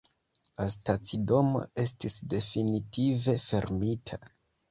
La stacidomo estis definitive fermita.